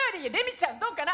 ちゃんどうかな？